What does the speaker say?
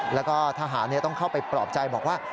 แล้วก็ทหารต้องเข้าไปปลอบใจบอกว่า